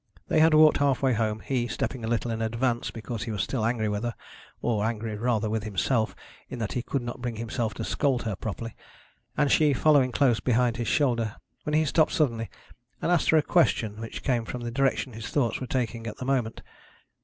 They had walked half way home, he stepping a little in advance, because he was still angry with her, or angry rather with himself in that he could not bring himself to scold her properly, and she following close behind his shoulder, when he stopped suddenly and asked her a question which came from the direction his thoughts were taking at the moment.